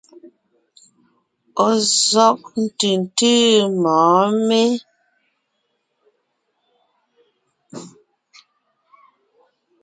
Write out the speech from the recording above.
Ɔ̀ zɔ́g ntʉ̀ntʉ́ mɔ̌ɔn mé?